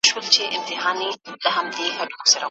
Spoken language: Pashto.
نورې سختې ناروغۍ هم پیدا کېږي.